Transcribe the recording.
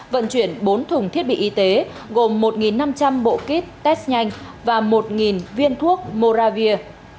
vận chuyển bốn thùng thiết bị y tế gồm một năm trăm linh bộ kit test nhanh và một viên thuốc moravir